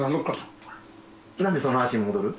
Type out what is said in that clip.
何でその話に戻る？